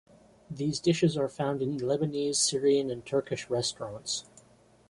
These dishes are found in Lebanese, Syrian, and Turkish restaurants.